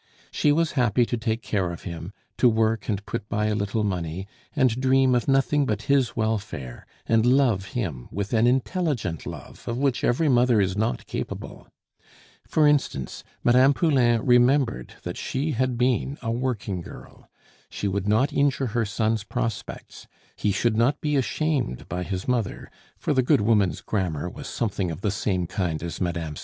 She was happy to take care of him, to work and put by a little money, and dream of nothing but his welfare, and love him with an intelligent love of which every mother is not capable. For instance, Mme. Poulain remembered that she had been a working girl. She would not injure her son's prospects; he should not be ashamed by his mother (for the good woman's grammar was something of the same kind as Mme.